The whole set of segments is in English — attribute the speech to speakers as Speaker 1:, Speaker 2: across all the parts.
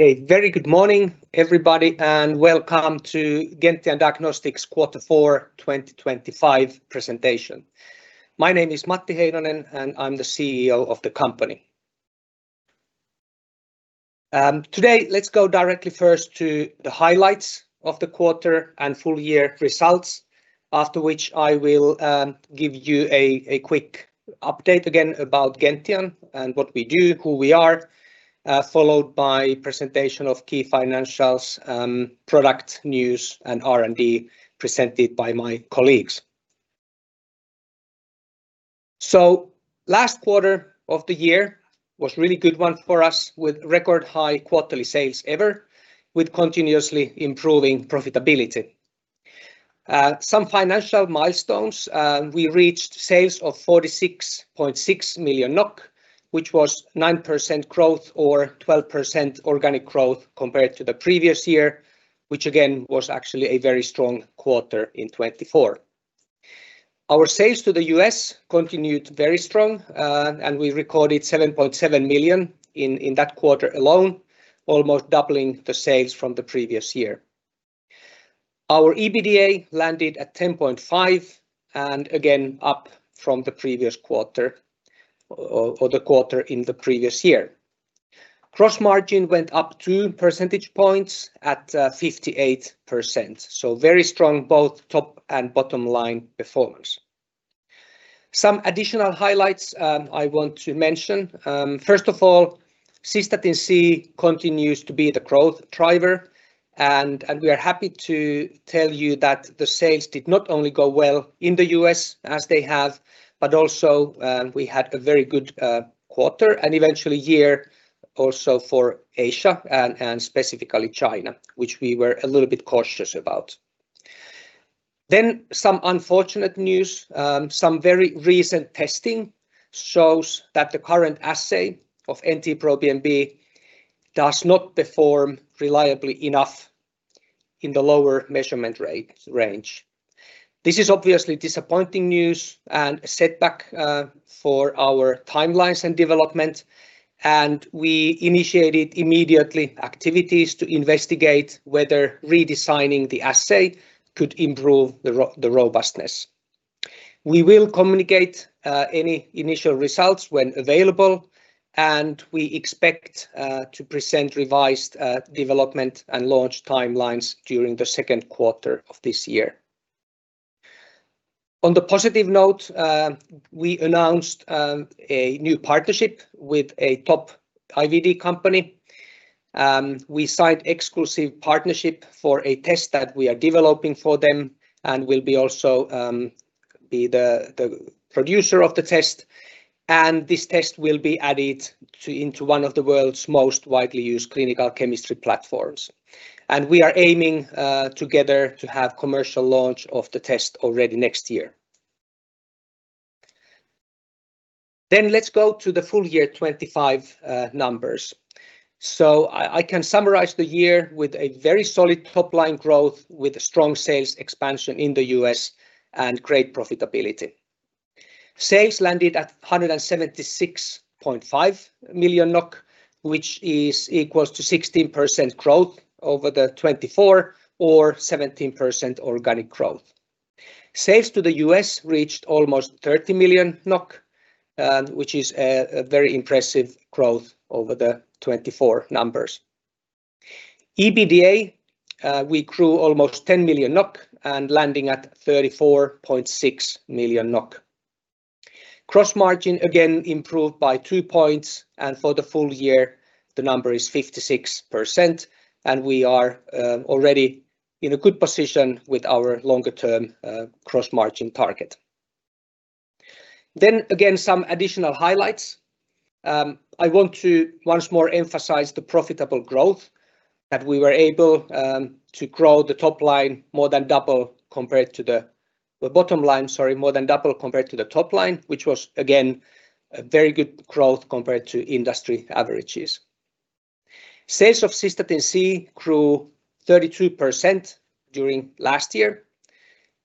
Speaker 1: A very good morning, everybody, and welcome to Gentian Diagnostics Quarter Four 2025 presentation. My name is Matti Heinonen, and I'm the CEO of the company. Today, let's go directly first to the highlights of the quarter and full year results, after which I will give you a, a quick update again about Gentian and what we do, who we are, followed by presentation of key financials, product news, and R&D presented by my colleagues. So last quarter of the year was really good one for us, with record high quarterly sales ever, with continuously improving profitability. Some financial milestones, we reached sales of 46.6 million NOK, which was 9% growth or 12% organic growth compared to the previous year, which again, was actually a very strong quarter in 2024. Our sales to the US continued very strong, and we recorded 7.7 million in that quarter alone, almost doubling the sales from the previous year. Our EBITDA landed at 10.5, and again, up from the previous quarter or the quarter in the previous year, gross margin went up two percentage points at 58%, so very strong both top and bottom line performance. Some additional highlights I want to mention. First of all, Cystatin C continues to be the growth driver, and we are happy to tell you that the sales did not only go well in the US as they have, but also we had a very good quarter and eventually year also for Asia and specifically China, which we were a little bit cautious about. Then, some unfortunate news. Some very recent testing shows that the current assay of NT-proBNP does not perform reliably enough in the lower measurement range. This is obviously disappointing news and a setback for our timelines and development, and we initiated immediately activities to investigate whether redesigning the assay could improve the robustness. We will communicate any initial results when available, and we expect to present revised development and launch timelines during the second quarter of this year. On the positive note, we announced a new partnership with a top IVD company. We signed exclusive partnership for a test that we are developing for them and will also be the producer of the test, and this test will be added into one of the world's most widely used clinical chemistry platforms. We are aiming, together to have commercial launch of the test already next year. Then let's go to the full year 2025 numbers. So I can summarize the year with a very solid top-line growth, with strong sales expansion in the US and great profitability. Sales landed at 176.5 million NOK, which is equals to 16% growth over the 2024 or 17% organic growth. Sales to the US reached almost 30 million NOK, which is a very impressive growth over the 2024 numbers. EBITDA, we grew almost 10 million NOK and landing at 34.6 million NOK. Gross margin again improved by 2 points, and for the full year, the number is 56%, and we are already in a good position with our long-term gross margin target. Then again, some additional highlights. I want to once more emphasize the profitable growth, that we were able to grow the top line more than double compared to the... the bottom line, sorry, more than double compared to the top line, which was again a very good growth compared to industry averages. Sales of Cystatin C grew 32% during last year,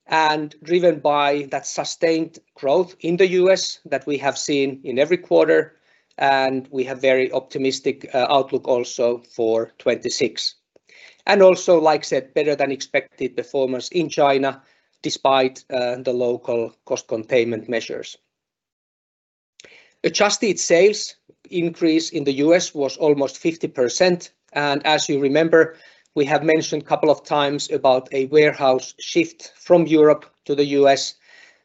Speaker 1: and driven by that sustained growth in the U.S. that we have seen in every quarter, and we have very optimistic outlook also for 2026. And also, like said, better than expected performance in China, despite the local cost containment measures. Adjusted sales increase in the U.S. was almost 50%, and as you remember, we have mentioned couple of times about a warehouse shift from Europe to the U.S.,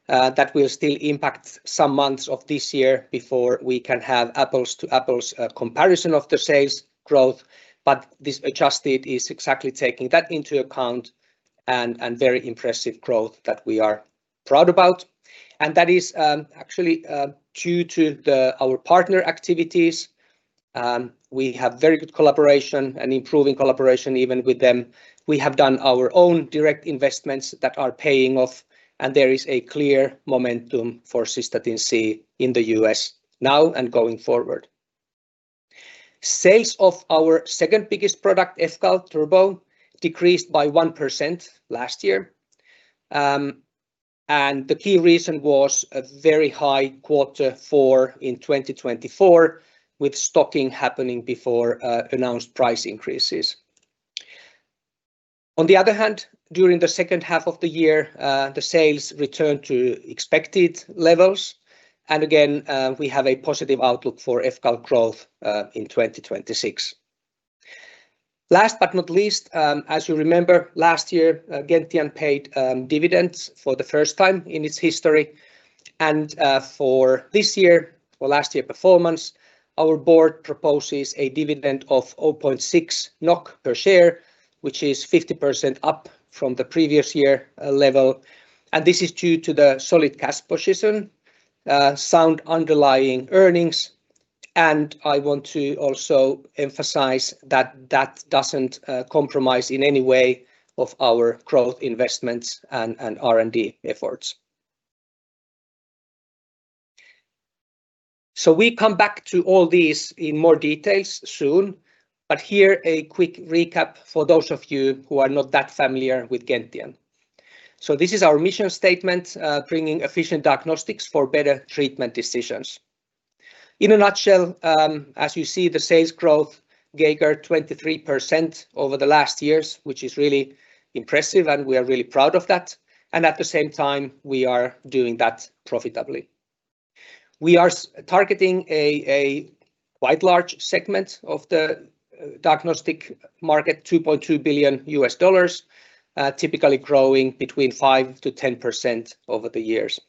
Speaker 1: that will still impact some months of this year before we can have apples to apples, comparison of the sales growth. But this adjusted is exactly taking that into account and, and very impressive growth that we are proud about. And that is, actually, due to the, our partner activities. We have very good collaboration and improving collaboration even with them. We have done our own direct investments that are paying off, and there is a clear momentum for Cystatin C in the U.S. now and going forward. Sales of our second biggest product, fCAL turbo, decreased by 1% last year. and the key reason was a very high quarter four in 2024, with stocking happening before announced price increases. On the other hand, during the second half of the year, the sales returned to expected levels, and again, we have a positive outlook for fCAL growth in 2026. Last but not least, as you remember, last year, Gentian paid dividends for the first time in its history. And for this year or last year performance, our board proposes a dividend of 0.6 NOK per share, which is 50% up from the previous year level. And this is due to the solid cash position, sound underlying earnings, and I want to also emphasize that that doesn't compromise in any way of our growth investments and R&D efforts. So we come back to all these in more details soon. But here, a quick recap for those of you who are not that familiar with Gentian. So this is our mission statement, bringing efficient diagnostics for better treatment decisions. In a nutshell, as you see, the sales growth CAGR 23% over the last years, which is really impressive, and we are really proud of that, and at the same time, we are doing that profitably. We are targeting a quite large segment of the diagnostic market, $2.2 billion, typically growing between 5%-10% over the years.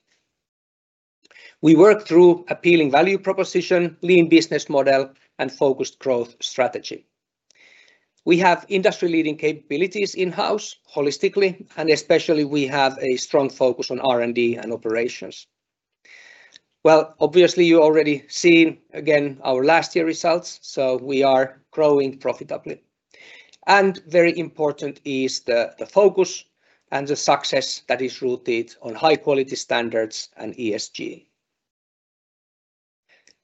Speaker 1: We work through appealing value proposition, lean business model, and focused growth strategy. We have industry-leading capabilities in-house, holistically, and especially, we have a strong focus on R&D and operations. Well, obviously, you already see again our last year results, so we are growing profitably. And very important is the focus and the success that is rooted on high-quality standards and ESG.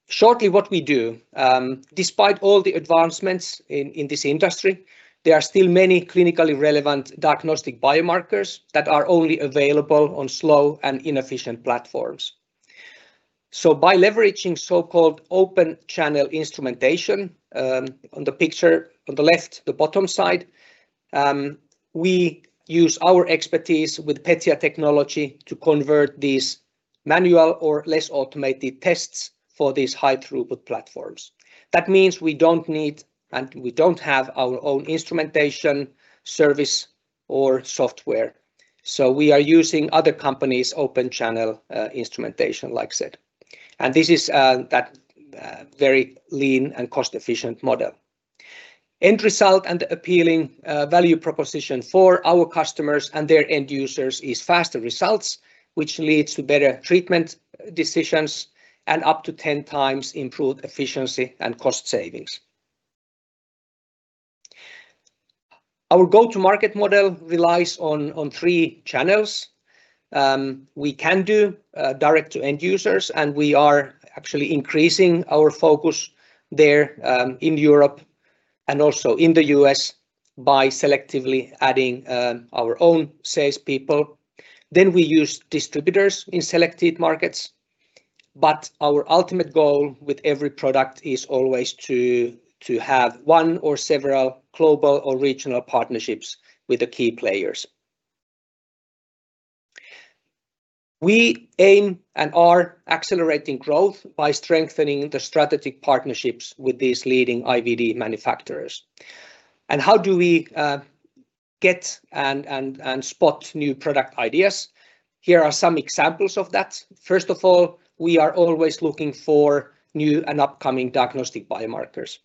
Speaker 1: Shortly, what we do, despite all the advancements in this industry, there are still many clinically relevant diagnostic biomarkers that are only available on slow and inefficient platforms. So by leveraging so-called open channel instrumentation, on the picture on the left, the bottom side, we use our expertise with PETIA technology to convert these manual or less automated tests for these high-throughput platforms. That means we don't need, and we don't have our own instrumentation, service, or software, so we are using other companies' open channel instrumentation, like said. And this is very lean and cost-efficient model. End result and appealing value proposition for our customers and their end users is faster results, which leads to better treatment decisions and up to 10 times improved efficiency and cost savings. Our go-to-market model relies on three channels. We can do direct to end users, and we are actually increasing our focus there in Europe and also in the US by selectively adding our own salespeople. Then we use distributors in selected markets, but our ultimate goal with every product is always to have one or several global or regional partnerships with the key players. We aim and are accelerating growth by strengthening the strategic partnerships with these leading IVD manufacturers. And how do we get and spot new product ideas? Here are some examples of that. First of all, we are always looking for new and upcoming diagnostic biomarkers.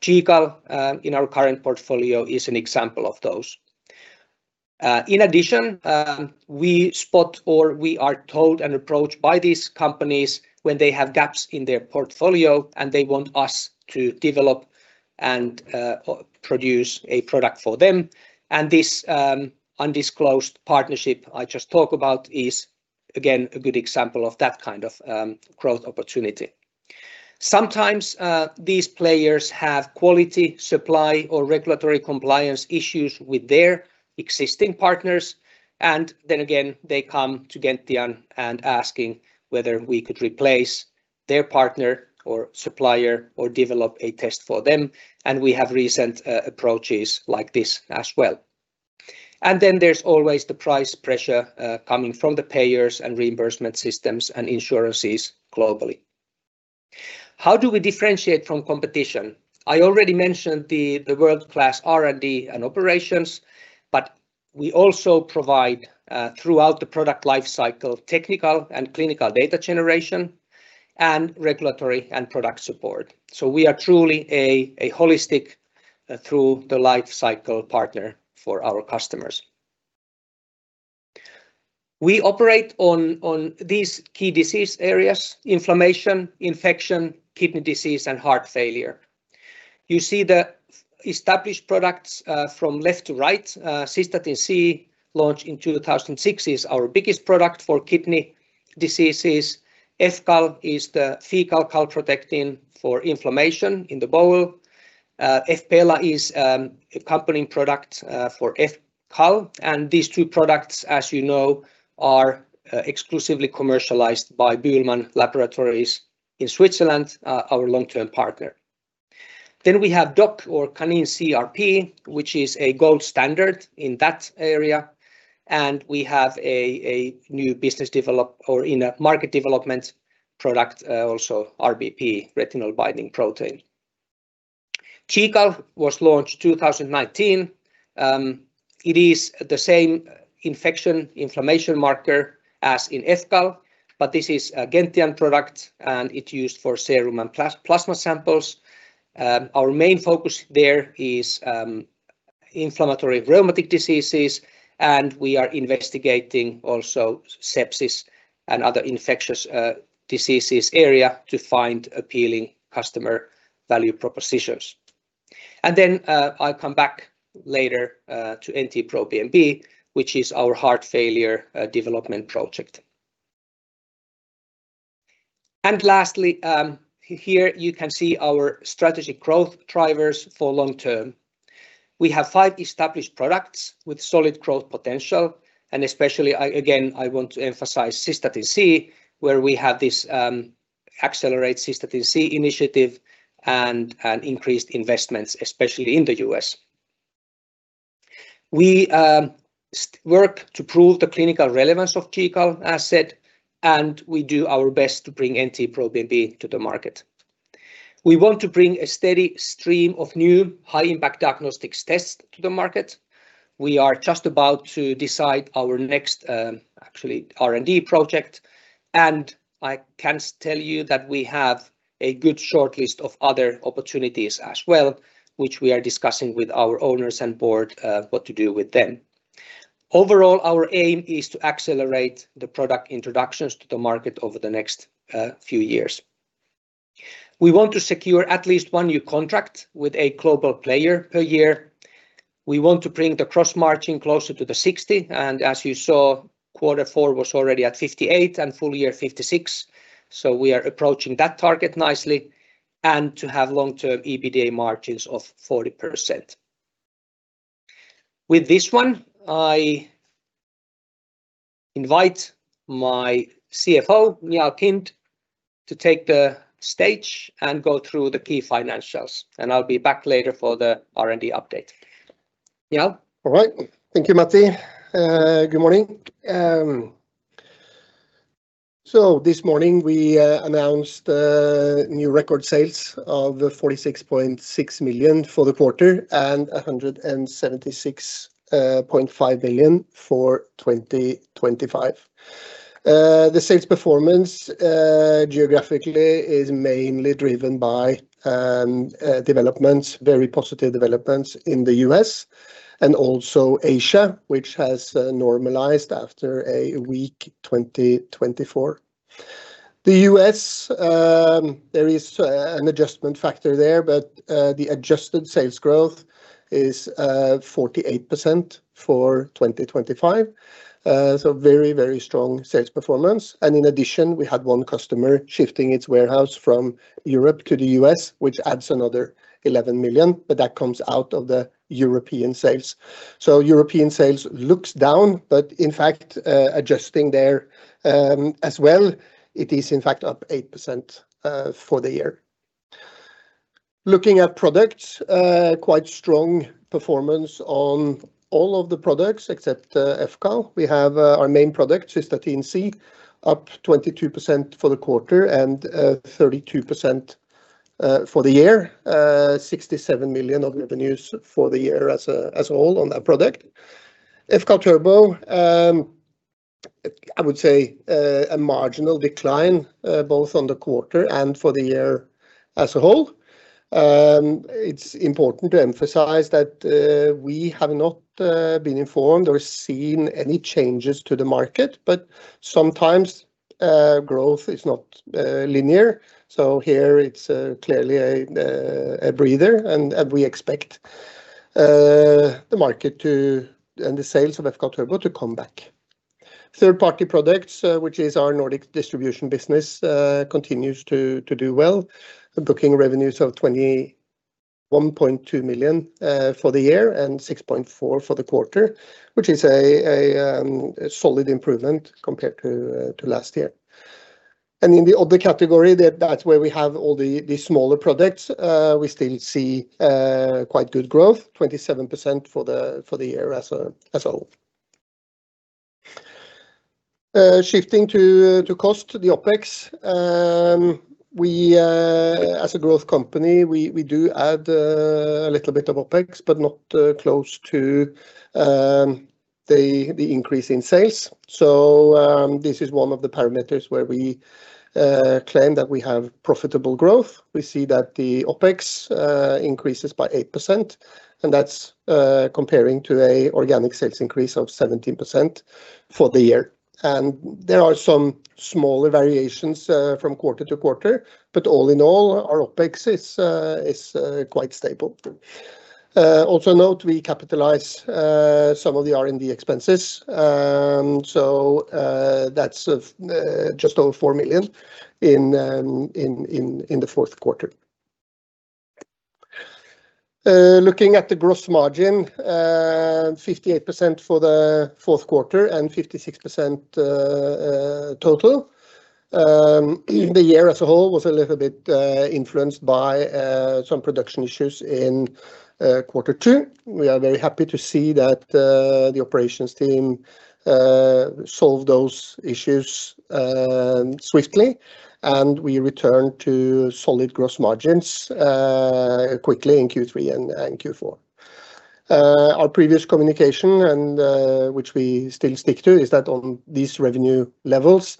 Speaker 1: GCAL in our current portfolio is an example of those. In addition, we spot or we are told and approached by these companies when they have gaps in their portfolio, and they want us to develop and produce a product for them. And this undisclosed partnership I just talked about is, again, a good example of that kind of growth opportunity. Sometimes these players have quality, supply, or regulatory compliance issues with their existing partners, and then again, they come to Gentian and asking whether we could replace their partner or supplier or develop a test for them, and we have recent approaches like this as well. And then there's always the price pressure coming from the payers and reimbursement systems and insurances globally. How do we differentiate from competition? I already mentioned the world-class R&D and operations, but we also provide throughout the product life cycle, technical and clinical data generation and regulatory and product support. So we are truly a holistic through the life cycle partner for our customers. We operate on these key disease areas: inflammation, infection, kidney disease, and heart failure. You see the established products from left to right. Cystatin C, launched in 2006, is our biggest product for kidney diseases. fCAL is the fecal calprotectin for inflammation in the bowel. fPELA is a company product for fCAL, and these two products, as you know, are exclusively commercialized by BÜHLMANN Laboratories in Switzerland, our long-term partner. Then we have dog or canine CRP, which is a gold standard in that area, and we have a new business develop or in a market development product, also RBP, retinol binding protein. GCAL was launched 2019. It is the same infection inflammation marker as in FCAL, but this is a Gentian product, and it's used for serum and plasma samples. Our main focus there is inflammatory rheumatic diseases, and we are investigating also sepsis and other infectious diseases area to find appealing customer value propositions. Then, I'll come back later to NT-proBNP, which is our heart failure development project. Lastly, here you can see our strategic growth drivers for long term. We have five established products with solid growth potential, and especially, I, again, I want to emphasize Cystatin C, where we have this, accelerate Cystatin C initiative and increased investments, especially in the US. We work to prove the clinical relevance of GCAL assay, and we do our best to bring NT-proBNP to the market. We want to bring a steady stream of new, high-impact diagnostics tests to the market. We are just about to decide our next, actually, R&D project, and I can tell you that we have a good shortlist of other opportunities as well, which we are discussing with our owners and board, what to do with them. Overall, our aim is to accelerate the product introductions to the market over the next, few years. We want to secure at least one new contract with a global player per year. We want to bring the gross margin closer to the 60, and as you saw, quarter four was already at 58 and full year, 56. So we are approaching that target nicely, and to have long-term EBITDA margins of 40%. With this one, I invite my CFO, Njaal Kind, to take the stage and go through the key financials, and I'll be back later for the R&D update. Njaal?
Speaker 2: All right. Thank you, Matti. Good morning. So this morning we announced new record sales of 46.6 million for the quarter and 176.5 million for 2025. The sales performance geographically is mainly driven by developments, very positive developments in the U.S. and also Asia, which has normalized after a weak 2024. The U.S., there is an adjustment factor there, but the adjusted sales growth is 48% for 2025. So very, very strong sales performance, and in addition, we had one customer shifting its warehouse from Europe to the U.S., which adds another 11 million, but that comes out of the European sales. So European sales looks down, but in fact, adjusting there, as well, it is in fact up 8% for the year. Looking at products, quite strong performance on all of the products except, fCAL. We have, our main product, Cystatin C, up 22% for the quarter and, 32% for the year. 67 million of revenues for the year as a whole on that product. fCAL turbo, I would say, a marginal decline, both on the quarter and for the year as a whole. It's important to emphasize that, we have not, been informed or seen any changes to the market, but sometimes, growth is not, linear. So here it's clearly a breather, and we expect the market to, and the sales of fCAL turbo to come back. Third-party products, which is our Nordic distribution business, continues to do well, booking revenues of 21.2 million for the year and 6.4 million for the quarter, which is a solid improvement compared to last year. In the other category, that's where we have all the smaller products. We still see quite good growth, 27% for the year as a whole. Shifting to cost, the OpEx, we as a growth company, we do add a little bit of OpEx, but not close to the increase in sales. So, this is one of the parameters where we claim that we have profitable growth. We see that the OpEx increases by 8%, and that's comparing to a organic sales increase of 17% for the year. There are some smaller variations from quarter to quarter, but all in all, our OpEx is quite stable. Also note, we capitalize some of the R&D expenses. So, that's just over 4 million in the fourth quarter. Looking at the gross margin, 58% for the fourth quarter and 56% total. The year as a whole was a little bit influenced by some production issues in quarter two. We are very happy to see that, the operations team, solved those issues, swiftly, and we returned to solid gross margins, quickly in Q3 and Q4. Our previous communication and, which we still stick to, is that on these revenue levels,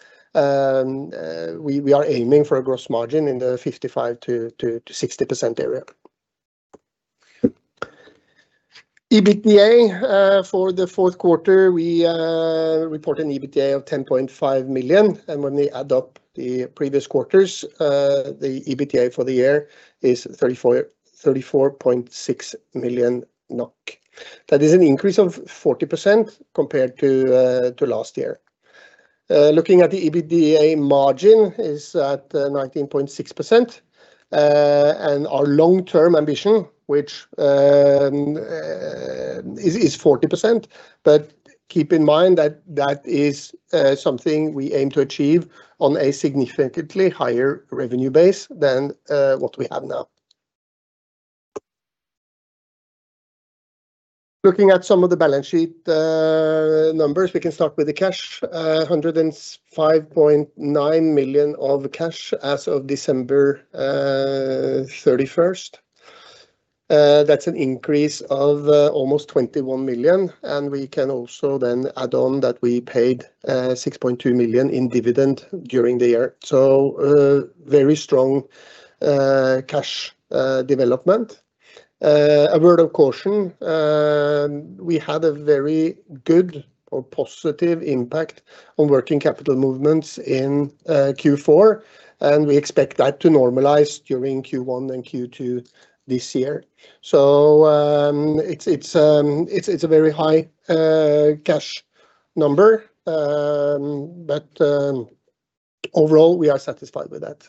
Speaker 2: we are aiming for a gross margin in the 55%-60% area. EBITDA, for the fourth quarter, we reported an EBITDA of 10.5 million, and when we add up the previous quarters, the EBITDA for the year is 34.6 million NOK. That is an increase of 40% compared to last year. Looking at the EBITDA margin is at 19.6%. And our long-term ambition, which is 40%, but keep in mind that that is something we aim to achieve on a significantly higher revenue base than what we have now. Looking at some of the balance sheet numbers, we can start with the cash. 105.9 million of cash as of December thirty-first. That's an increase of almost 21 million, and we can also then add on that we paid 6.2 million in dividend during the year. So, very strong cash development. A word of caution, we had a very good or positive impact on working capital movements in Q4, and we expect that to normalize during Q1 and Q2 this year. So, it's a very high cash number. But, overall, we are satisfied with that.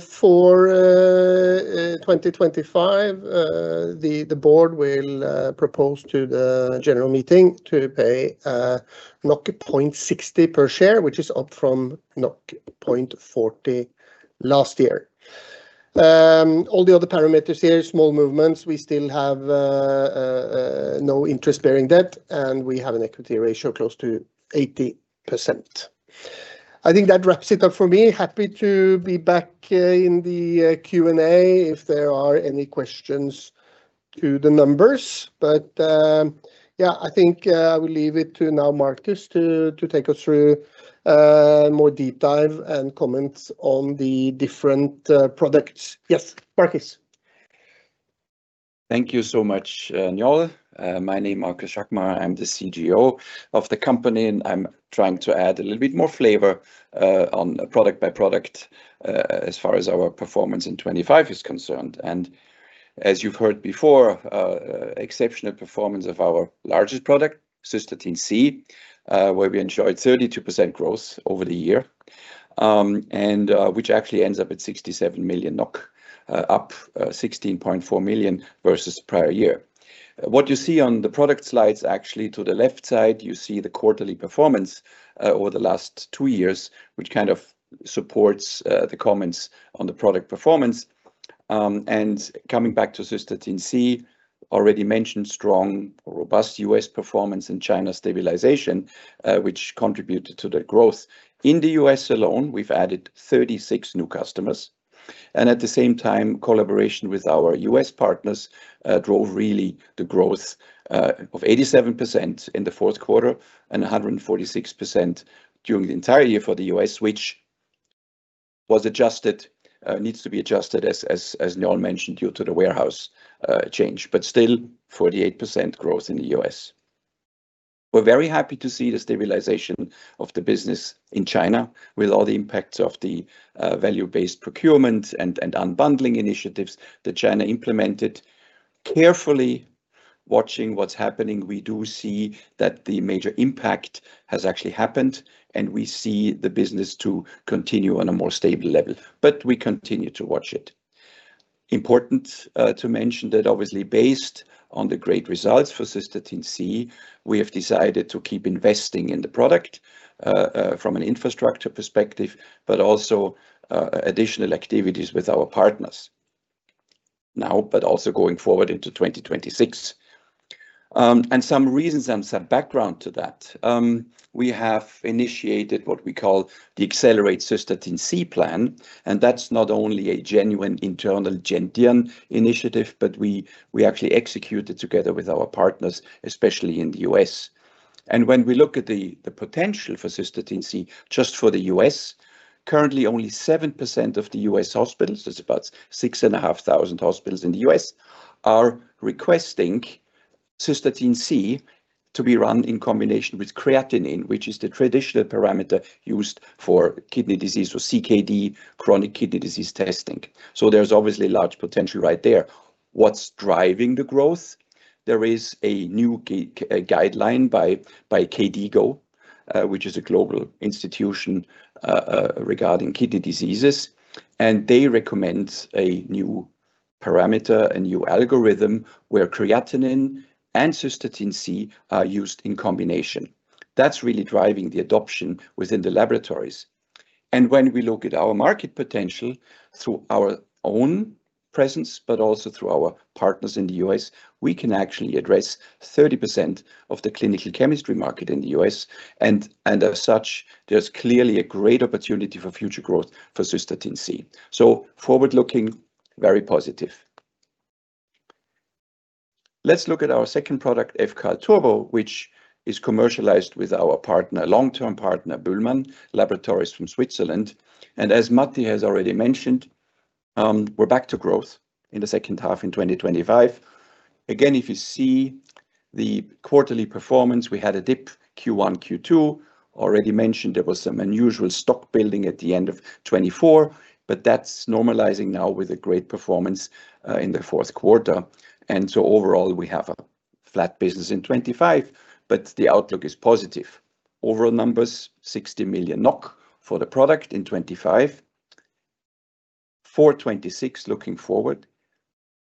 Speaker 2: For 2025, the board will propose to the general meeting to pay 0.60 per share, which is up from 0.40 last year. All the other parameters here, small movements, we still have no interest-bearing debt, and we have an equity ratio close to 80%. I think that wraps it up for me. Happy to be back in the Q&A if there are any questions to the numbers. But, yeah, I think, I will leave it to now Markus to take us through more deep dive and comments on the different products. Yes, Markus.
Speaker 3: Thank you so much, Njaal. My name, Markus Jaquemar, I'm the CGO of the company, and I'm trying to add a little bit more flavor, on a product by product, as far as our performance in 2025 is concerned. As you've heard before, exceptional performance of our largest product, Cystatin C, where we enjoyed 32% growth over the year. And, which actually ends up at 67 million NOK, up, 16.4 million versus prior year. What you see on the product slides, actually, to the left side, you see the quarterly performance, over the last two years, which kind of supports, the comments on the product performance. And coming back to Cystatin C, already mentioned strong, robust US performance and China stabilization, which contributed to the growth. In the US alone, we've added 36 new customers, and at the same time, collaboration with our US partners drove really the growth of 87% in the fourth quarter and 146% during the entire year for the US, which was adjusted-, needs to be adjusted, as, as, as Njaal mentioned, due to the warehouse change, but still 48% growth in the US. We're very happy to see the stabilization of the business in China with all the impacts of the value-based procurement and, and unbundling initiatives that China implemented. Carefully watching what's happening, we do see that the major impact has actually happened, and we see the business to continue on a more stable level. But we continue to watch it. Important to mention that obviously, based on the great results for Cystatin C, we have decided to keep investing in the product from an infrastructure perspective, but also additional activities with our partners now, but also going forward into 2026. And some reasons and some background to that, we have initiated what we call the Accelerate Cystatin C plan, and that's not only a genuine internal Gentian initiative, but we actually execute it together with our partners, especially in the US. And when we look at the potential for Cystatin C, just for the US, currently, only 7% of the US hospitals, that's about 6,500 hospitals in the US, are requesting Cystatin C to be run in combination with creatinine, which is the traditional parameter used for kidney disease or CKD, chronic kidney disease testing. So there's obviously large potential right there. What's driving the growth? There is a new guideline by KDIGO, which is a global institution, regarding kidney diseases, and they recommend a new parameter, a new algorithm, where creatinine and cystatin C are used in combination. That's really driving the adoption within the laboratories. And when we look at our market potential through our own presence, but also through our partners in the US, we can actually address 30% of the clinical chemistry market in the US. And as such, there's clearly a great opportunity for future growth for cystatin C. So forward-looking, very positive. Let's look at our second product, fCAL turbo, which is commercialized with our partner, long-term partner, BÜHLMANN Laboratories from Switzerland. And as Matti has already mentioned, we're back to growth in the second half in 2025. Again, if you see the quarterly performance, we had a dip Q1, Q2. Already mentioned, there was some unusual stock building at the end of 2024, but that's normalizing now with a great performance in the fourth quarter. And so overall, we have a flat business in 2025, but the outlook is positive. Overall numbers, 60 million NOK for the product in 2025, 2026 looking forward.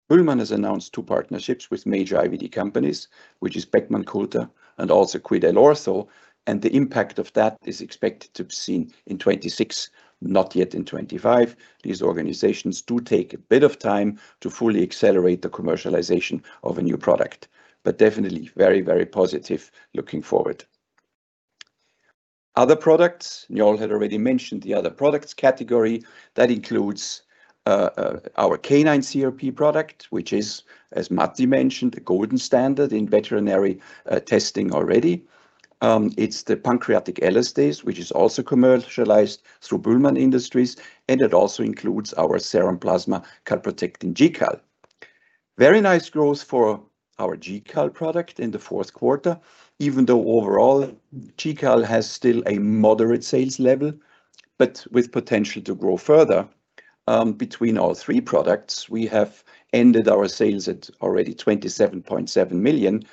Speaker 3: BÜHLMANN has announced two partnerships with major IVD companies, which is Beckman Coulter and also QuidelOrtho, and the impact of that is expected to be seen in 2026, not yet in 2025. These organizations do take a bit of time to fully accelerate the commercialization of a new product, but definitely very, very positive looking forward. Other products. Njaal had already mentioned the other products category. That includes our Canine CRP product, which is, as Matti mentioned, the gold standard in veterinary testing already. It's the pancreatic elastase, which is also commercialized through BÜHLMANN Laboratories, and it also includes our serum plasma calprotectin GCAL. Very nice growth for our GCAL product in the fourth quarter, even though overall, GCAL has still a moderate sales level, but with potential to grow further. Between our three products, we have ended our sales at already 27.7 million,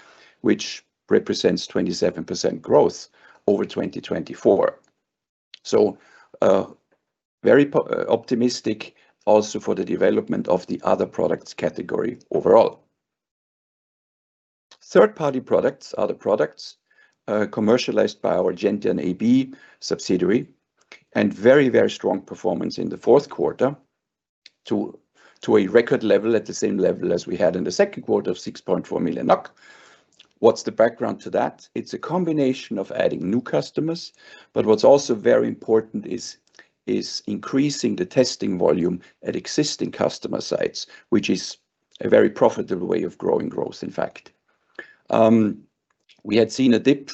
Speaker 3: which represents 27% growth over 2024. Very optimistic also for the development of the other products category overall. Third-party products are the products commercialized by our Gentian AB subsidiary, and very, very strong performance in the fourth quarter to a record level, at the same level as we had in the second quarter of 6.4 million. What's the background to that? It's a combination of adding new customers, but what's also very important is increasing the testing volume at existing customer sites, which is a very profitable way of growing growth, in fact. We had seen a dip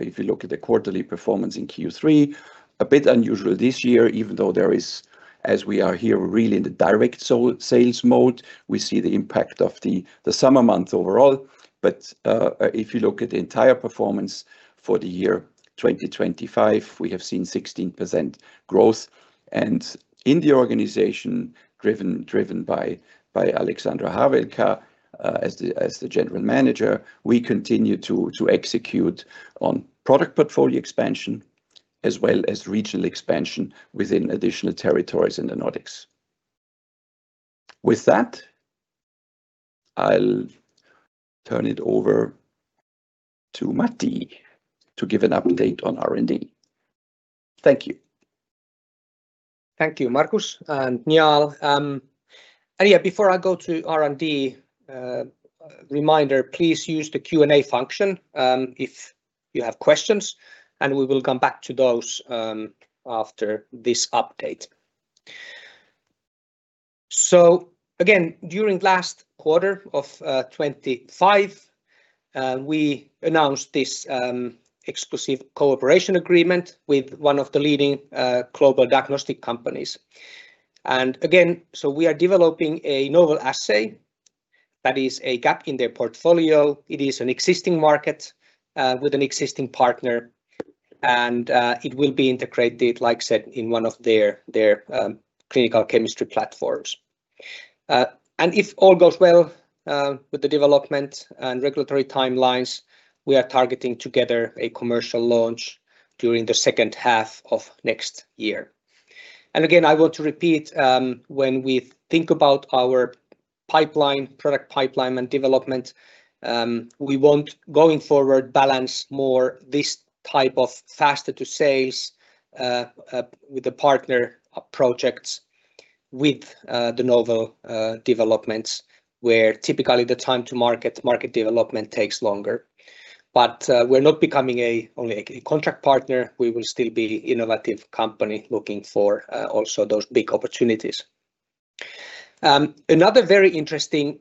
Speaker 3: if you look at the quarterly performance in Q3. A bit unusual this year, even though there is... As we are here, really in the direct sales mode, we see the impact of the summer months overall. But if you look at the entire performance for the year 2025, we have seen 16% growth. In the organization, driven by Aleksandra Havelka, as the general manager, we continue to execute on product portfolio expansion, as well as regional expansion within additional territories in the Nordics. With that, I'll turn it over to Matti to give an update on R&D. Thank you.
Speaker 1: Thank you, Markus and Njaal. And yeah, before I go to R&D, reminder, please use the Q&A function, if you have questions, and we will come back to those, after this update. So again, during last quarter of 2025, we announced this, exclusive cooperation agreement with one of the leading, global diagnostic companies. And again, so we are developing a novel assay that is a gap in their portfolio. It is an existing market, with an existing partner, and, it will be integrated, like I said, in one of their, their, clinical chemistry platforms. And if all goes well, with the development and regulatory timelines, we are targeting together a commercial launch during the second half of next year. And again, I want to repeat, when we think about our pipeline, product pipeline and development, we want, going forward, balance more this type of faster to sales, with the partner projects, with, the novel, developments, where typically the time to market, market development takes longer. But, we're not becoming a only a contract partner. We will still be innovative company looking for, also those big opportunities. Another very interesting,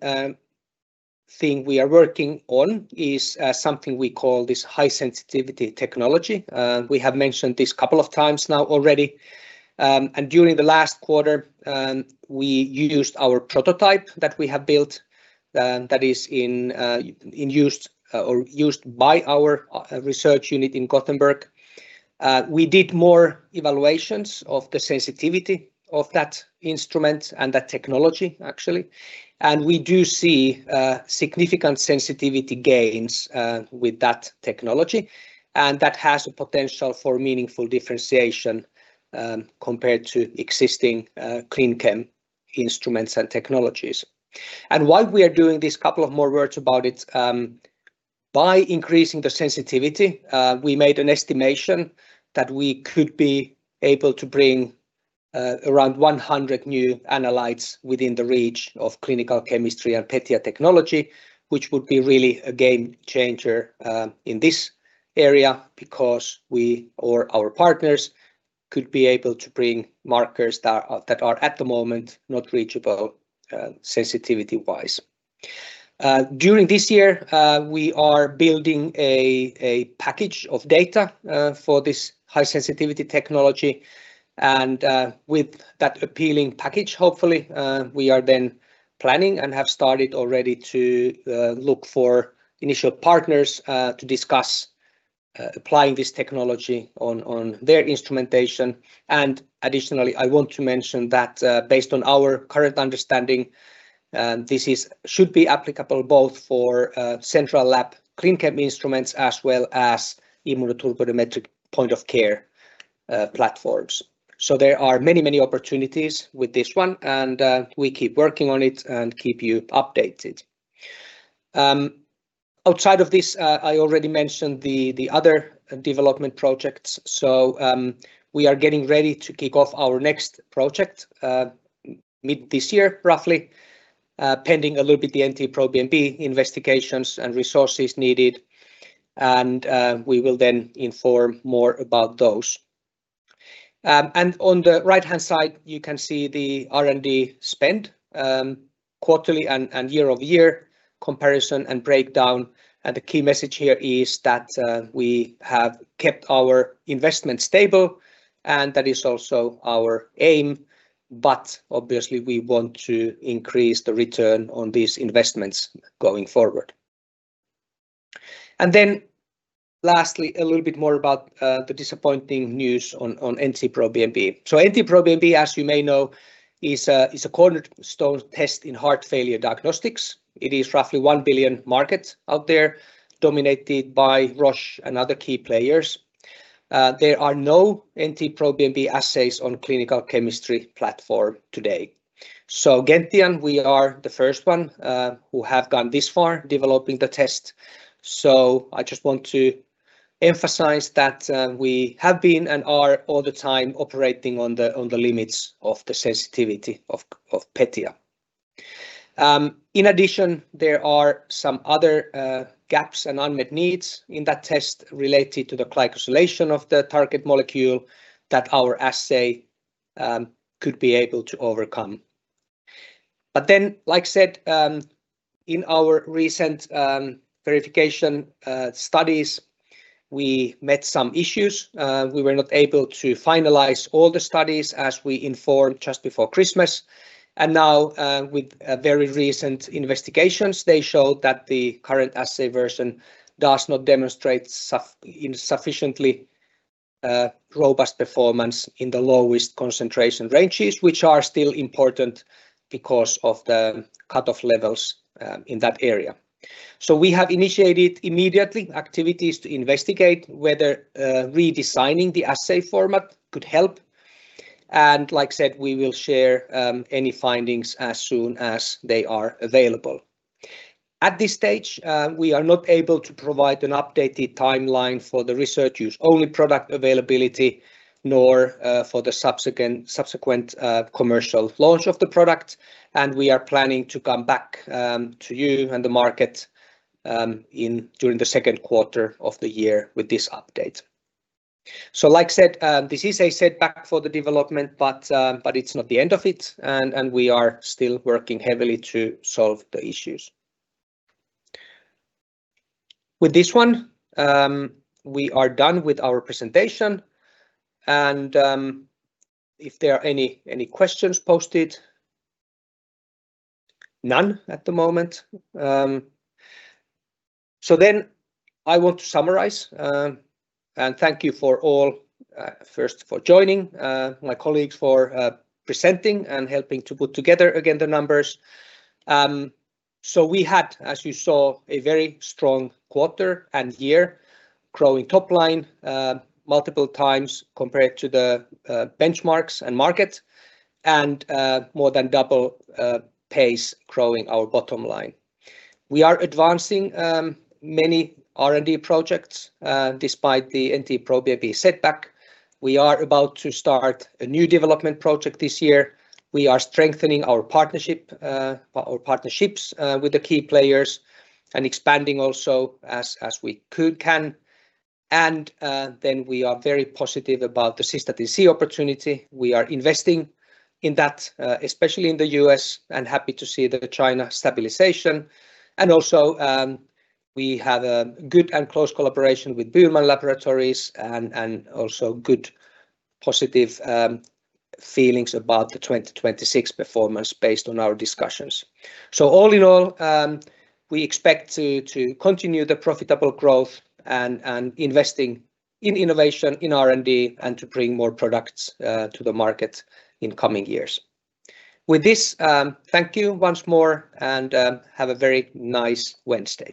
Speaker 1: thing we are working on is, something we call this high-sensitivity technology. We have mentioned this a couple of times now already. And during the last quarter, we used our prototype that we have built, that is in, in use, or used by our, research unit in Gothenburg. We did more evaluations of the sensitivity of that instrument and that technology, actually, and we do see significant sensitivity gains with that technology, and that has a potential for meaningful differentiation, compared to existing clinical chem instruments and technologies. While we are doing this, couple of more words about it. By increasing the sensitivity, we made an estimation that we could be able to bring around 100 new analytes within the reach of clinical chemistry and PETIA technology, which would be really a game changer in this area, because we or our partners could be able to bring markers that are, that are, at the moment, not reachable sensitivity-wise. During this year, we are building a package of data for this high-sensitivity technology, and with that appealing package, hopefully, we are then planning and have started already to look for initial partners to discuss applying this technology on their instrumentation. Additionally, I want to mention that, based on our current understanding, this should be applicable both for central lab clinical chem instruments, as well as immunoturbidimetric point-of-care platforms. So there are many, many opportunities with this one, and we keep working on it and keep you updated. Outside of this, I already mentioned the other development projects. So, we are getting ready to kick off our next project mid this year, roughly, pending a little bit the NT-proBNP investigations and resources needed, and we will then inform more about those. And on the right-hand side, you can see the R&D spend quarterly and year-over-year comparison and breakdown. And the key message here is that we have kept our investment stable, and that is also our aim, but obviously, we want to increase the return on these investments going forward. And then lastly, a little bit more about the disappointing news on NT-proBNP. So NT-proBNP, as you may know, is a cornerstone test in heart failure diagnostics. It is roughly $1 billion market out there, dominated by Roche and other key players. There are no NT-proBNP assays on clinical chemistry platform today. So Gentian, we are the first one who have gone this far developing the test. So I just want to emphasize that, we have been and are all the time operating on the limits of the sensitivity of PETIA. In addition, there are some other gaps and unmet needs in that test related to the glycosylation of the target molecule that our assay could be able to overcome. But then, like said, in our recent verification studies, we met some issues. We were not able to finalize all the studies as we informed just before Christmas. And now, with very recent investigations, they show that the current assay version does not demonstrate sufficiently robust performance in the lowest concentration ranges, which are still important because of the cutoff levels, in that area. So we have initiated immediately activities to investigate whether redesigning the assay format could help. And, like said, we will share any findings as soon as they are available. At this stage, we are not able to provide an updated timeline for the research use-only product availability, nor for the subsequent commercial launch of the product. We are planning to come back to you and the market during the second quarter of the year with this update. So, like I said, this is a setback for the development, but it's not the end of it, and we are still working heavily to solve the issues. With this one, we are done with our presentation, and if there are any questions posted? None at the moment. So then I want to summarize and thank you all first for joining my colleagues for presenting and helping to put together again the numbers. So we had, as you saw, a very strong quarter and year, growing top line multiple times compared to the benchmarks and market, and more than double pace growing our bottom line. We are advancing many R&D projects despite the NT-proBNP setback. We are about to start a new development project this year. We are strengthening our partnership, our partnerships with the key players and expanding also as we could, can. We are very positive about the Cystatin C opportunity. We are investing in that especially in the U.S., and happy to see the China stabilization. And also, we have a good and close collaboration with BÜHLMANN Laboratories and also good positive feelings about the 2026 performance based on our discussions. So all in all, we expect to continue the profitable growth and investing in innovation, in R&D, and to bring more products to the market in coming years. With this, thank you once more, and have a very nice Wednesday.